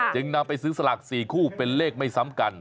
จึงนำไปซื้อสลาก๔คู่เป็นเลขไม่ซ้ำกัน